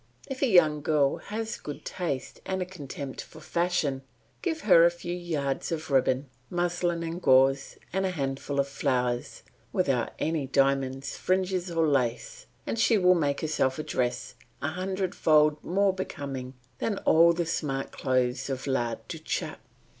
If a young girl has good taste and a contempt for fashion, give her a few yards of ribbon, muslin, and gauze, and a handful of flowers, without any diamonds, fringes, or lace, and she will make herself a dress a hundredfold more becoming than all the smart clothes of La Duchapt.